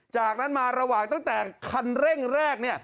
จากนั้นมาระหว่างตั้งแต่คันเร่งแรก